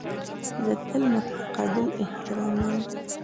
زه تل متقابل احترام لرم.